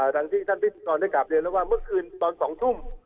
อย่างที่ท่านพิธีกรได้กลับเรียนแล้วว่าเมื่อคืนตอน๒ทุ่ม